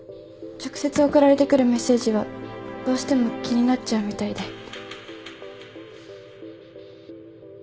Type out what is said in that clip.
直接送られてくるメッセージはどうしても気になっちゃうみたいで。